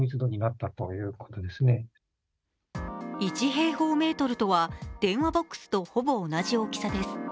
１平方メートルとは電話ボックスとほぼ同じ大きさです。